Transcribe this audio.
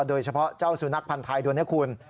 โดยเฉพาะเจ้าสุนัขพันธ์ไทยด้วยนะครับคุณ